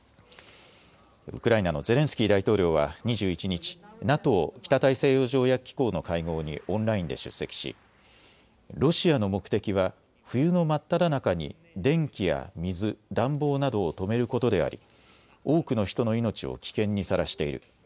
ウクライナのゼレンスキー大統領は２１日、ＮＡＴＯ・北大西洋条約機構の会合にオンラインで出席しロシアの目的は冬の真っただ中に電気や水、暖房などを止めることであり、多くの人の命を危険にさらしている。